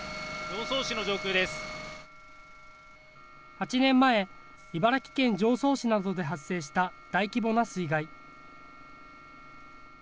８年前、茨城県常総市などで発生した大規模な水害。